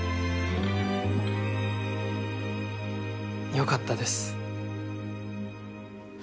よかったです。